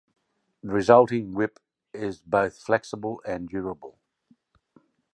The resulting whip is both flexible and durable.